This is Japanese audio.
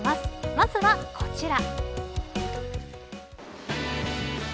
まずはこちら。